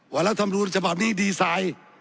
ว่าเราทำรูปสมบัตินี้ดีไซน์